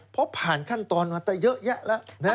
เพราะผ่านขั้นตอนมาแต่เยอะแยะแล้วนะ